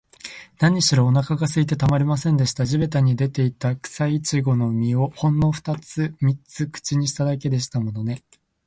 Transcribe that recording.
なにしろ、おなかがすいてたまりませんでした。地びたに出ていた、くさいちごの実を、ほんのふたつ三つ口にしただけでしたものね。